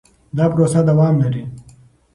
دا پروسه دوام لري.